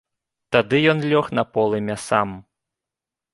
Тады ён лёг на полымя сам.